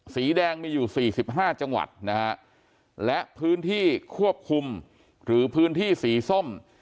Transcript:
สีแดงมีอยู่๔๕จังหวัดนะฮะและพื้นที่ควบคุมหรือพื้นที่สีส้ม